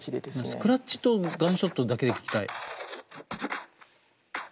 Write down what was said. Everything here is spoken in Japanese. スクラッチとガンショットだけで聴きたい。